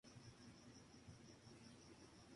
Su capital es Amara.